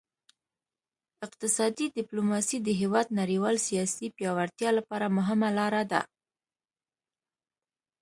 اقتصادي ډیپلوماسي د هیواد نړیوال سیالۍ پیاوړتیا لپاره مهمه لار ده